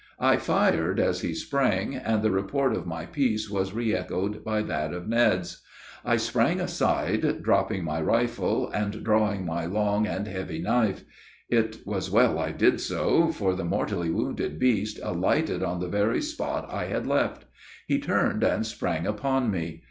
I fired as he sprang, and the report of my piece was re echoed by that of Ned's. I sprang aside, dropping my rifle and drawing my long and heavy knife; it was well I did so, for the mortally wounded beast alighted on the very spot I had left. He turned and sprang upon me.